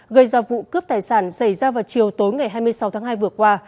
gây ra vụ cướp tài sản xảy ra vào chiều tối ngày hai mươi sáu tháng hai vừa qua